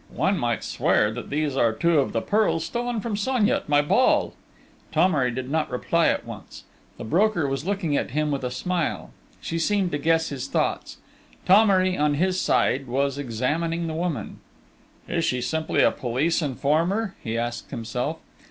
"One might swear that these are two of the pearls stolen from Sonia at my ball!" Thomery did not reply at once. The broker was looking at him with a smile; she seemed to guess his thoughts. Thomery, on his side, was examining the woman. "Is she simply a police informer?" he asked himself.